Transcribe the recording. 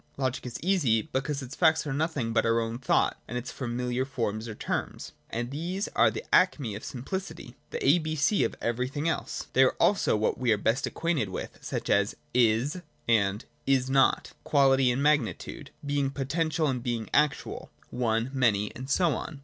Logic is easy, because its facts are nothing but our own thought and its familiar forms or terms : and these are the acme of simplicity, the a b c of every thing else. They are also what we are best acquainted with: such as, 'Is' and 'Is not': quality and magni tude : being potential and being actual : one, many, and so on.